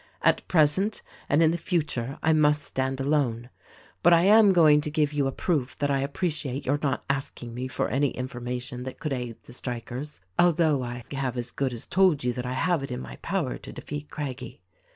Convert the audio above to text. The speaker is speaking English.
At present and in the future I must stand alone ; but I am going to give you a proof that I appre ciate your not asking me for any information that could aid the strikers, although I have as good as told you that I have it in my power to defeat Craggie.